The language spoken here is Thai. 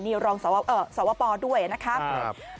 นี่รองสวปด้วยนะครับ